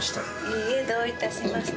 いいえ、どういたしまして。